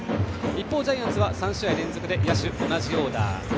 一方、ジャイアンツは３試合連続で野手は同じオーダー。